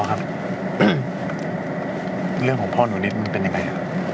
เรื่องของพ่อหนูนิดมันเป็นยังไง